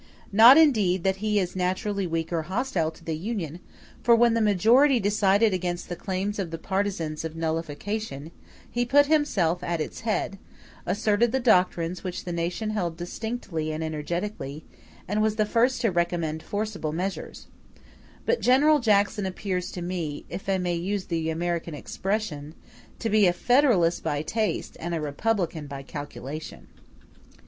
Not indeed that he is naturally weak or hostile to the Union; for when the majority decided against the claims of the partisans of nullification, he put himself at its head, asserted the doctrines which the nation held distinctly and energetically, and was the first to recommend forcible measures; but General Jackson appears to me, if I may use the American expressions, to be a Federalist by taste, and a Republican by calculation.